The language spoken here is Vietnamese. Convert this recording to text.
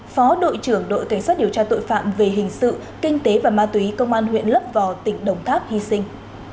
phó đội trưởng đội cảnh sát điều tra tội phạm về hình sự kinh tế và ma túy công an huyện lấp vò tỉnh đồng tháp hy sinh